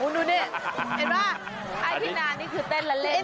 ดูนี่เห็นไหมไอ้ที่นานนี่คือเต้นและเล่น